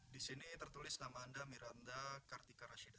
di sini tertulis nama anda miranda kartika rashida